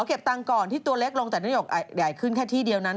เก็บตังค์ก่อนที่ตัวเล็กลงแต่นายกใหญ่ขึ้นแค่ที่เดียวนั้น